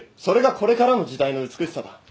それがこれからの時代の美しさだ。